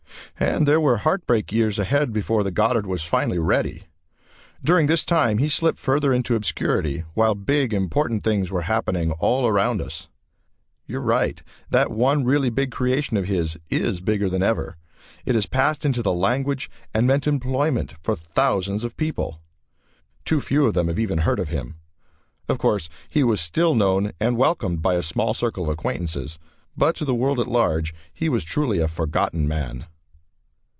And there were heartbreak years ahead before the Goddard was finally ready. During this time he slipped further into obscurity while big, important things were happening all around us. You're right, that one really big creation of his is bigger than ever. It has passed into the language, and meant employment for thousands of people. Too few of them have even heard of him. Of course, he was still known and welcomed by a small circle of acquaintances, but to the world at large he was truly a "forgotten man."